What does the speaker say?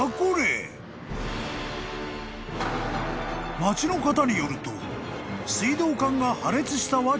［町の方によると］